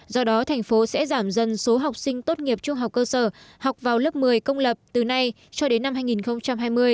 do đó thành phố sẽ giảm dần số học sinh tốt nghiệp trung học cơ sở học vào lớp một mươi công lập từ nay cho đến năm hai nghìn hai mươi